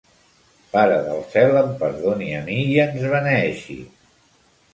Pare del cel em perdoni a mi i ens beneeixi.